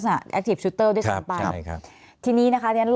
คือจริงอันนี้